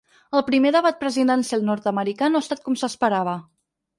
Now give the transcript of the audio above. El primer debat presidencial nord-americà no ha estat com s’esperava.